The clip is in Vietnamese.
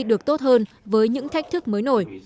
được tốt hơn với những thách thức mới nổi